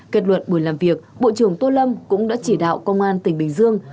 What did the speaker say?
kết luận buổi làm việc bộ trưởng tô lâm cũng đã chỉ đạo công an tỉnh bình dương